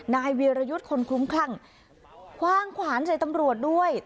นายเวียรยุทธ์คนคลุ้มคลั่งคว่างขวานใส่ตำรวจด้วย